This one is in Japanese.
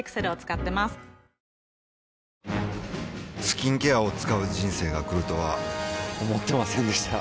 スキンケアを使う人生が来るとは思ってませんでした